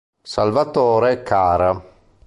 Salvatore Cara